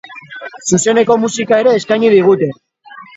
Zuzeneko musika ere eskaini digute.